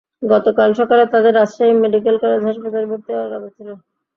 গতকাল সকালে তাঁদের রাজশাহী মেডিকেল কলেজ হাসপাতালে ভর্তি হওয়ার কথা ছিল।